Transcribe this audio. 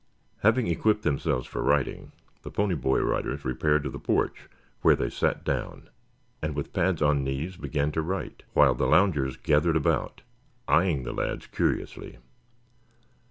Having equipped themselves for writing, the Pony Rider Boys repaired to the porch where they sat down, and with pads on knees began to write, while the loungers gathered about, eyeing the lads curiously.